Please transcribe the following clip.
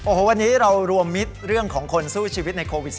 โอ้โหวันนี้เรารวมมิตรเรื่องของคนสู้ชีวิตในโควิด๑๙